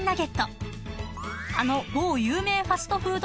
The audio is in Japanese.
［あの某有名ファストフード